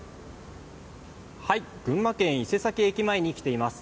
群馬県・伊勢崎駅前に来ています